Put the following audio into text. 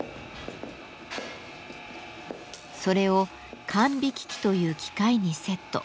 それを管引機という機械にセット。